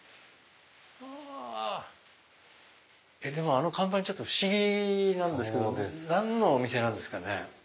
あの看板不思議なんですけど何のお店なんですかね？